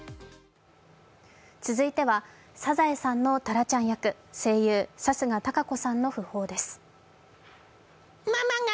続いては「サザエさん」のタラちゃん役、声優、貴家堂子さんの訃報です。